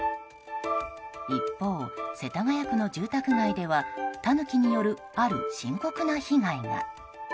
一方、世田谷区の住宅街ではタヌキによるある深刻な被害が。